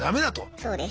そうです。